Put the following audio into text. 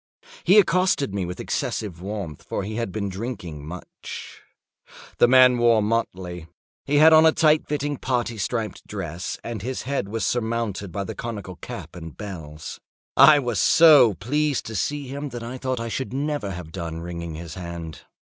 He accosted me with excessive warmth, for he had been drinking much. The man wore motley. He had on a tight fitting parti striped dress, and his head was surmounted by the conical cap and bells. I was so pleased to see him, that I thought I should never have done wringing his hand.